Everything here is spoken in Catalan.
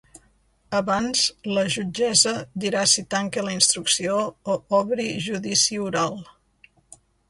Abans la jutgessa dirà si tanca la instrucció o obri judici oral.